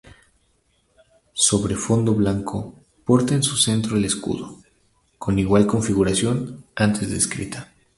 Sobre fondo blanco porta en su centro el escudo, con igual configuración antes descrita.